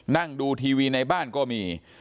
นั่งดูทีวีในบ้านก็มี